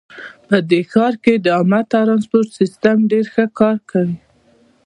په دې ښار کې د عامه ترانسپورټ سیسټم ښه کار کوي